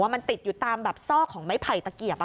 มันติดอยู่ตามแบบซอกของไม้ไผ่ตะเกียบ